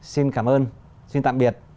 xin cảm ơn xin tạm biệt